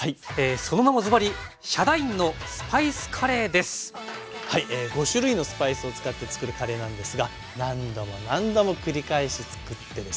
その名もずばり５種類のスパイスを使ってつくるカレーなんですが何度も何度も繰り返しつくってですね